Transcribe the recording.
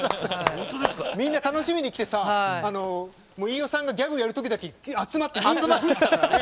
みんな楽しみに来てさ飯尾さんがギャグやるときだけ集まって吹いてたからね。